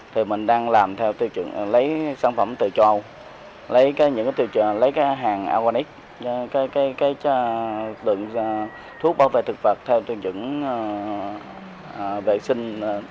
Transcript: thì mình đang làm theo tiêu chuẩn lấy sản phẩm từ châu âu lấy cái hàng organic thuốc bảo vệ thực vật theo tiêu chuẩn vệ sinh